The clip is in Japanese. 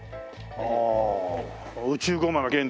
ああ。